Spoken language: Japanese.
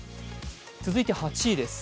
続いて８位です。